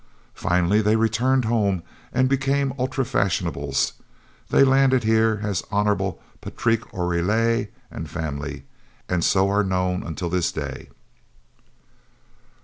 Finally they returned home and became ultra fashionables. They landed here as the Hon. Patrique Oreille and family, and so are known unto this day.